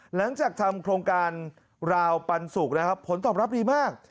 หลังจากทำโครงการราวปันสุกนะครับผลตอบรับดีมาก